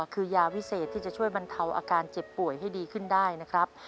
คือยาวิเศษที่จะช่วยบรรเทาอาการเจ็บป่วยให้ดีขึ้นได้นะครับ